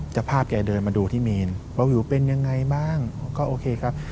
เจ้าภาพแกเดินมาดูที่เมนว่าวิวเป็นยังไงบ้างก็โอเคครับ